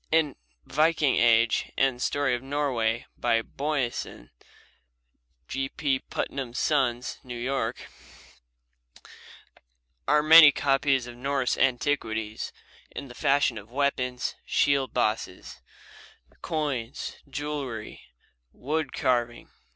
In "Viking Age" and "Story of Norway," by Boyesen (G. P. Putnam's Sons, New York), are many copies of Norse antiquities in the fashion of weapons, shield bosses, coins, jewelry, wood carving.